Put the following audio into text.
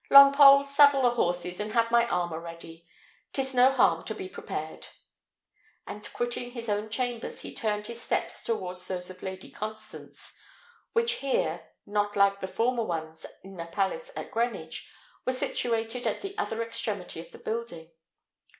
Longpole, saddle the horses, and have my armour ready. 'Tis no harm to be prepared;" and quitting his own chambers, he turned his steps towards those of Lady Constance, which here, not like the former ones in the palace at Greenwich, were situated at the other extremity of the building.